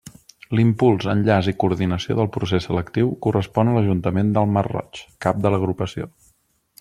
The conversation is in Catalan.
L'impuls, enllaç i coordinació del procés selectiu correspon a l'Ajuntament del Masroig, cap de l'Agrupació.